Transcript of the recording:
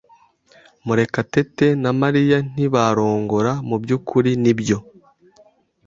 Murekatete na Mariya ntibarongora mubyukuri, nibyo?